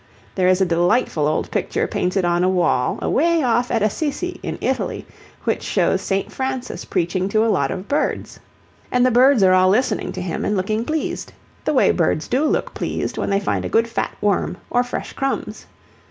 There is a delightful old picture painted on a wall away off at Assisi, in Italy, which shows St. Francis preaching to a lot of birds, and the birds are all listening to him and looking pleased the way birds do look pleased when they find a good fat worm or fresh crumbs.